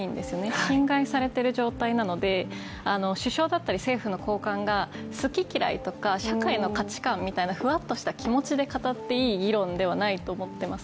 侵害されている状態なので首相だったり政府の高官が好き嫌いとか社会の価値観とかふわっとした気持ちで語っていい議論ではないと思っています。